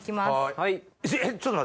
はい。